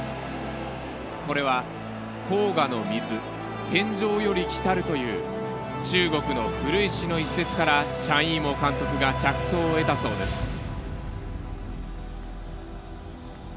これは「黄河の水天上より来たる」という中国の古い詩の一節からチャン・イーモウ監督が着想を得たそうです。